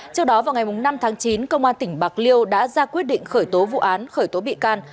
trước đó vào ngày năm tháng chín công an tỉnh bạc liêu đã ra quyết định khởi tố vụ án khởi tố bị can